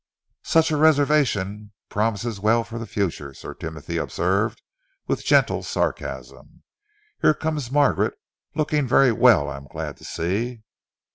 "Such a reservation promises well for the future," Sir Timothy observed, with gentle sarcasm. "Here comes Margaret, looking very well, I am glad to see."